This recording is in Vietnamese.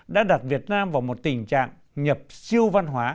đã đặt việt nam vào một tình trạng nhập siêu văn hóa